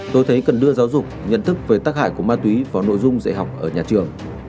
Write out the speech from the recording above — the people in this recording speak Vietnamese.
tôi thấy cần đưa giáo dục nhận thức về tác hại của ma túy vào nội dung dạy học ở nhà trường